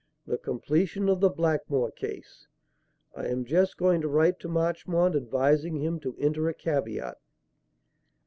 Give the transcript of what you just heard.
"The completion of the Blackmore case. I am just going to write to Marchmont advising him to enter a caveat."